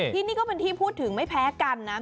ที่นี่ก็เป็นที่พูดถึงไม่แพ้กันนะ